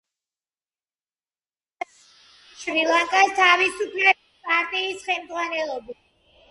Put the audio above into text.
მოგვიანებით გაერთიანდა ალიანსში შრი-ლანკის თავისუფლების პარტიის ხელმძღვანელობით.